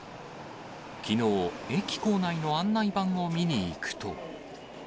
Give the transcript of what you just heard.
きのう、駅構内の案内板を見に行くと。